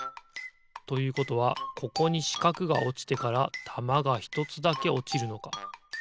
ということはここにしかくがおちてからたまがひとつだけおちるのか。